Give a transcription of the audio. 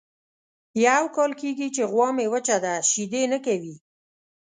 یو کال کېږي چې غوا مې وچه ده شیدې نه کوي.